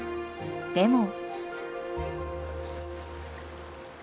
でも。